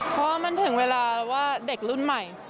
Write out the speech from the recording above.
เพราะว่ามันถึงเวลาแล้วว่าเด็กรุ่นใหม่